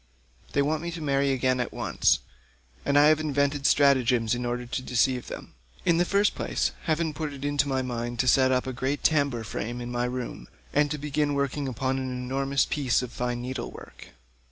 They want me to marry again at once, and I have to invent stratagems in order to deceive them. In the first place heaven put it in my mind to set up a great tambour frame in my room, and to begin working upon an enormous piece of fine needlework.